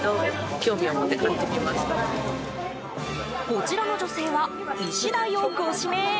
こちらの女性はイシダイをご指名。